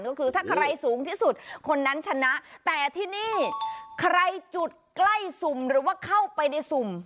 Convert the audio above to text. ก็คือถ้าใครสูงที่สุดคนนั้นชนะแต่ที่นี่ใครจุดใกล้สุ่มหรือว่าเข้าไปในสุ่ม